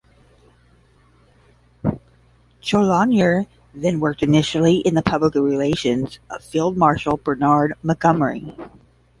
Chaloner then worked initially in the public relations of Field Marshal Bernard Montgomery.